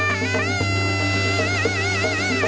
mereka akan menjelaskan kekuatan mereka